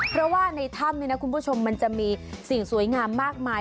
เพราะว่าในถ้ำนี่นะคุณผู้ชมมันจะมีสิ่งสวยงามมากมาย